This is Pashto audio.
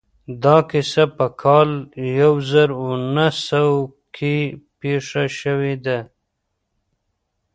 دا کيسه په کال يو زر و نهه سوه کې پېښه شوې ده.